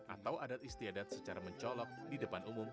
atau adat istiadat secara mencolok di depan umum